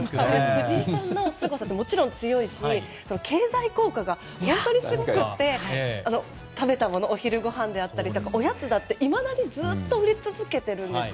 藤井さんの強さってもちろん強いし経済効果が本当にすごくて食べたもの、お昼ごはんだったりおやつだっていまだにずっと売れ続けているんですよ。